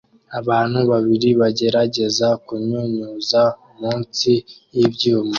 Abana babiri bagerageza kunyunyuza munsi y'ibyuma